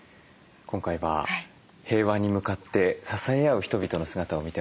今回は平和に向かって支え合う人々の姿を見てまいりました。